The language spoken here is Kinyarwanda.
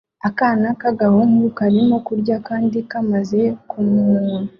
Akana k'agahungu karimo kurya kandi kamaze kumunwa